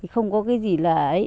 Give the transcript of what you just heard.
không có cái gì là ấy